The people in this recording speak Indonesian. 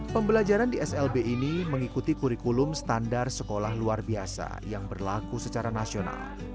pembelajaran di slb ini mengikuti kurikulum standar sekolah luar biasa yang berlaku secara nasional